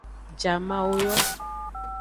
Jamawo yo.